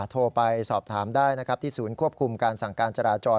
โทรไปสอบถามได้นะครับที่ศูนย์ควบคุมการสั่งการจราจร